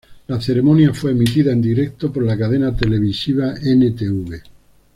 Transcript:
La ceremonia fue emitida en directo por la cadena televisiva N-tv.